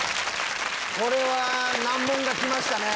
これは難問が来ましたね。